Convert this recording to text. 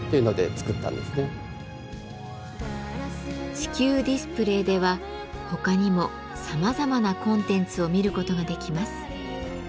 地球ディスプレーでは他にもさまざまなコンテンツを見ることができます。